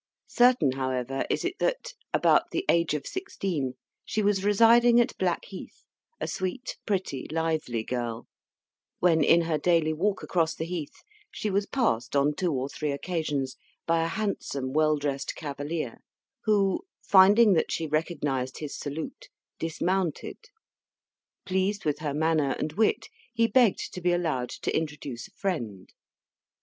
Certain however, is it that, about the age of sixteen, she was residing at Blackheath a sweet, pretty, lively girl when, in her daily walk across the heath, she was passed, on two or three occasions, by a handsome, well dressed cavalier, who, finding that she recognised his salute, dismounted; pleased with her manner and wit, he begged to be allowed to introduce a friend.